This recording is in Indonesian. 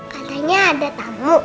katanya ada tamu